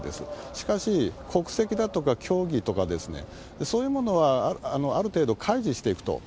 しかし、国籍だとか競技とかですね、そういうものはある程度開示していくと。